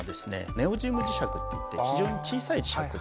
ネオジム磁石っていって非常に小さい磁石です。